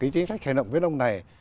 chính sách hành động phía đông này